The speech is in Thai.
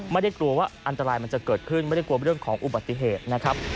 ไม่ได้กลัวว่าอันตรายมันจะเกิดขึ้นไม่ได้กลัวเรื่องของอุบัติเหตุนะครับ